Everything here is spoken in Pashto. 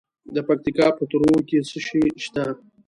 د پکتیکا په تروو کې څه شی شته؟